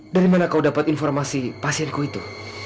dari mana kau dapat informasi pasienku itu